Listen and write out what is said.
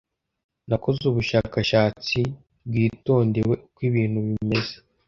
nakoze ubushakashatsi bwitondewe uko ibintu bimeze